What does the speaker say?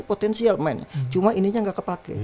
potensial main cuma ininya gak kepake